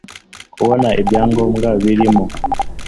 kubona ibyangombwa birimo